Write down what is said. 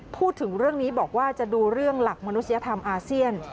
พูดถึงเรื่องนี้บอกว่าจะดูเรื่องหลักมนุษยธรรมอาเซียน